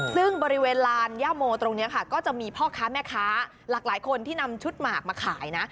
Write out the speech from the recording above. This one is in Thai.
ซึ่งบริเวณลานย่าโมตรงนี้ค่ะก็จะมีพ่อค้าแม่ค้าหลากหลายคนที่นำชุดหมากมาขายนะ